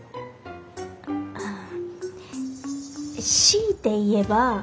強いて言えば。